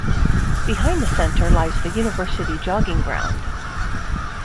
Behind the center lies the university jogging ground.